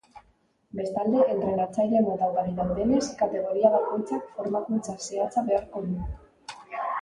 Bestalde, entrenatzaile mota ugari daudenez, kategoria bakoitzak formakuntza zehatza beharko du.